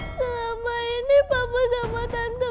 selama ini papa sama tante